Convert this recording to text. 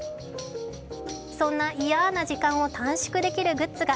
そんな嫌な時間を短縮できるグッズが